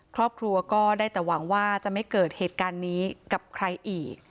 ครอบครัวก็ได้แต่หวังว่าจะไม่เกิดเหตุการณ์นี้กับใครอีก